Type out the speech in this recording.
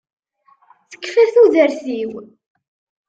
Tekfa tudert-iw!